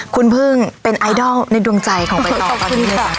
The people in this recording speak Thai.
คุณพึ่งเป็นไอดอลในดวงใจของไปต่อกัน